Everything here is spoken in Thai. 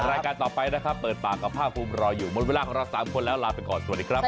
รายการต่อไปนะครับเปิดปากกับภาคภูมิรออยู่หมดเวลาของเรา๓คนแล้วลาไปก่อนสวัสดีครับ